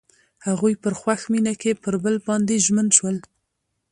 هغوی په خوښ مینه کې پر بل باندې ژمن شول.